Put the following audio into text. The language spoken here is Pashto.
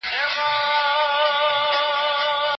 د دود او رواج زور اغېز نه لري.